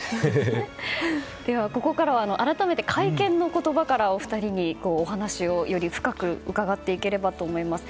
では、ここから改めて会見の言葉からお二人にお話をより深く伺っていければと思います。